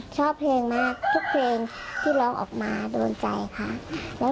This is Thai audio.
ชอบเพลงมากทุกเพลงที่ร้องออกมาโดนใจค่ะ